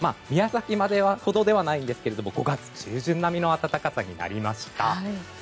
宮崎ほどではないんですけども５月中旬並みの暖かさになりました。